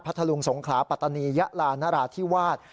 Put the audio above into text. ทะลุงสงขลาปัตตานียะลานราธิวาส